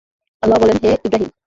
আল্লাহ বলেনঃ হে ইবরাহীম!